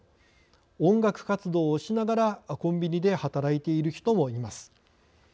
音楽活動をしながらコンビニで働いている人もいます。